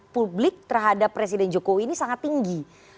publik terhadap presiden jokowi ini sangat tinggi